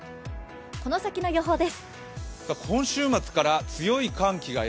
この先の予報です。